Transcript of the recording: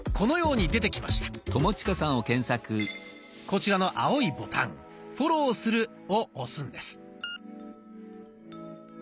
こちらの青いボタン「フォローする」を押すんです。